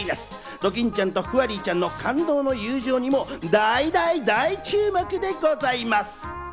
ドキンちゃんとフワリーちゃんの感動の友情にも大大大注目でございます！